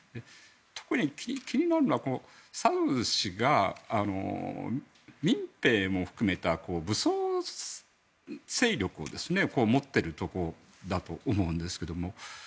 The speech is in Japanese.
特に気になるのはサドル師が、民兵も含めた武装勢力を持っているところだと思うんですけど。